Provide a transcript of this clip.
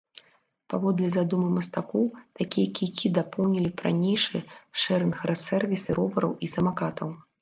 Паводле задумы мастакоў, такія кійкі дапоўнілі б ранейшыя шэрынг-сэрвісы ровараў і самакатаў.